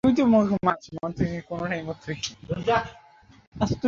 আমি তোমার জীবন কেড়ে নিয়েছিলাম।